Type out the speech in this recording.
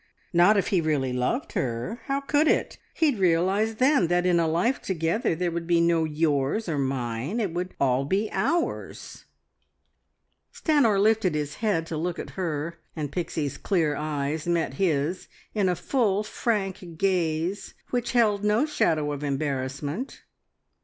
"Not if he really loved her. How could it? He'd realise then that in a life together there would be no `yours' or `mine.' It would all be `_ours_.'" Stanor lifted his head to look at her, and Pixie's clear eyes met his in a full frank gaze which held no shadow of embarrassment.